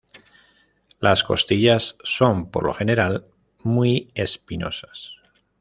Las costillas son por lo general muy espinosas.